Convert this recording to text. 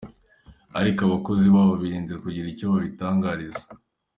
Ariko abakozi babo birinze kugira icyo baritangariza.